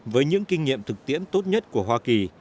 với những kinh nghiệm thực tiễn tốt nhất của hoa kỳ